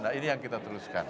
nah ini yang kita teruskan